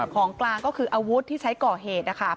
ของกลางก็คืออาวุธที่ใช้ก่อเหตุนะคะ